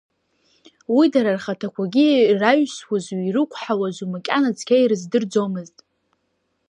Уи дара рхаҭақәагьы ираҩсуазу, ирықәҳауазу макьана цқьа ирыздырӡомызт…